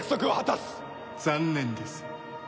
残念です。